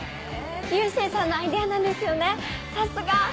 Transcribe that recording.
流星さんのアイデアなんですよねさすが！